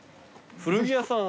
古着屋さん？